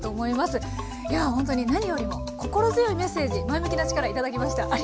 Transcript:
いやほんとに何よりも心強いメッセージ前向きな力頂きました。